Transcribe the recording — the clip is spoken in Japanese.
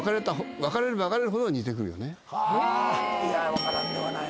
分からんではない。